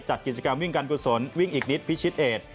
จัดกิจกรรมวิ่งการกุศลวิ่งอีกนิดพิชิตเอด